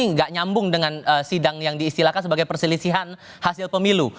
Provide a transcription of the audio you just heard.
nggak nyambung dengan sidang yang diistilahkan sebagai perselisihan hasil pemilu